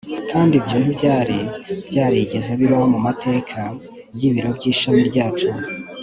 kandi ibyo ntibyari byarigeze bibaho mu mateka y ibiro by ishami ryacu